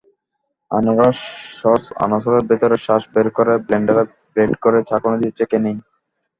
আনারস সসআনারসের ভেতরের শাঁস বের করে ব্লেন্ডারে ব্লেন্ড করে ছাঁকনি দিয়ে ছেঁকে নিন।